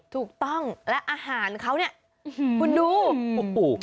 ถูกต้องแล้วอาหารเขาเนี่ยคุณดู